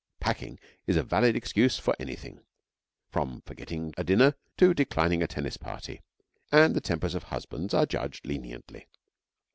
'Packing' is a valid excuse for anything, from forgetting a dinner to declining a tennis party, and the tempers of husbands are judged leniently.